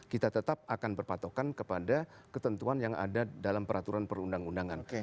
kita tetap akan berpatokan kepada ketentuan yang ada dalam peraturan perundang undangan